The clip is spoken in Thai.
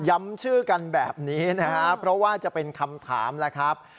ชื่อกันแบบนี้นะครับเพราะว่าจะเป็นคำถามแล้วครับ